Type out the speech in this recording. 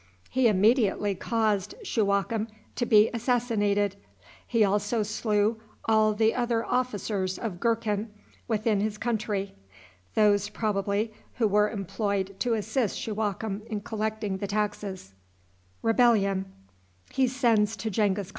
He immediately caused Shuwakem to be assassinated. He also slew all the other officers of Gurkhan within his country those, probably, who were employed to assist Shuwakem in collecting the taxes.